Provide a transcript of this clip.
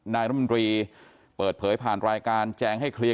นายรมนตรีเปิดเผยผ่านรายการแจงให้เคลียร์